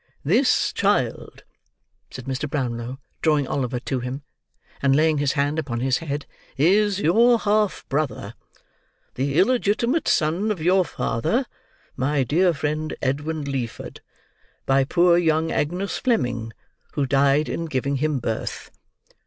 "This child," said Mr. Brownlow, drawing Oliver to him, and laying his hand upon his head, "is your half brother; the illegitimate son of your father, my dear friend Edwin Leeford, by poor young Agnes Fleming, who died in giving him birth."